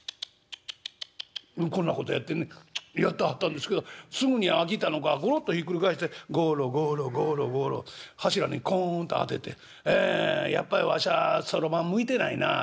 「こんなことやってねやってはったんですけどすぐに飽きたのかゴロッとひっくり返してゴロゴロゴロゴロ柱にコンと当ててええ『やっぱりわしゃそろばん向いてないな。